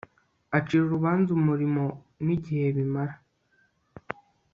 Acira urubanza umurimo nigihe bimara